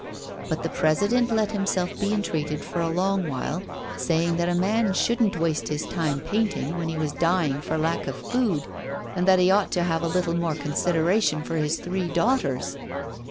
But the president let himself be entreated for a long while, saying that a man shouldn't waste his time painting when he was dying for lack of food, and that he ought to have a little more consideration for his three daughters!